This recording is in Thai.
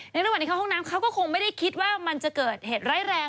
ระหว่างที่เข้าห้องน้ำเขาก็คงไม่ได้คิดว่ามันจะเกิดเหตุร้ายแรง